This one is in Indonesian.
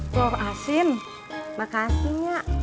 terus atau hanya berbunyi aja